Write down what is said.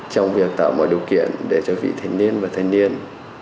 trong việc tạo mọi điều kiện để cho vị thanh niên và thanh niên